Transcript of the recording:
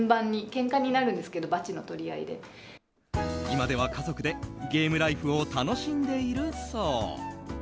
今では家族でゲームライフを楽しんでいるそう。